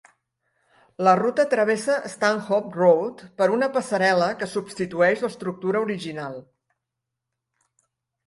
La ruta travessa Stanhope Road per una passarel·la que substitueix l'estructura original.